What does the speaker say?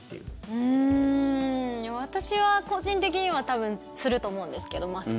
うーん、私は個人的にはすると思うんですけど、マスク。